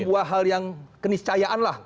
sebuah hal yang keniscayaan lah